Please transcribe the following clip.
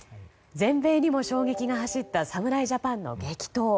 全米にも衝撃が走った侍ジャパンの激闘。